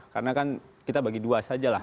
karena kan kita bagi dua saja lah